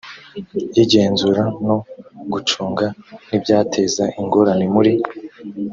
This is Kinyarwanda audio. y igenzura no gucunga n ibyateza ingorane muri